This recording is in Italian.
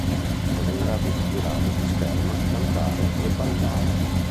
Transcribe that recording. Era in grado di tirare di scherma, cantare e ballare.